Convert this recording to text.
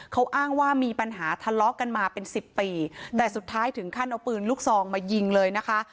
เขาอ้างว่ามีปัญหาทะเลาะกันมาเป็นสิบปีแต่สุดท้ายถึงขั้นเอาปืนลูกซองมายิงเลยนะคะ